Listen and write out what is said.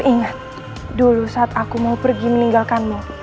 ingat dulu saat aku mau pergi meninggalkanmu